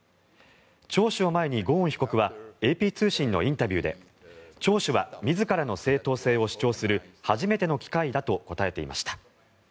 聴取を前にゴーン被告はＡＰ通信のインタビューで聴取は自らの正当性を主張する初めての機会だと答えていました。